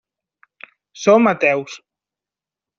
Som ateus.